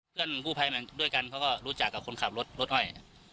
เพื่อนกู้ภัยด้วยกันเขาก็รู้จักกับคนขับรถรถอ้อย